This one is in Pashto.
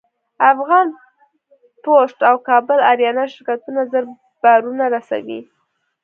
افغان پسټ او کابل اریانا شرکتونه زر بارونه رسوي.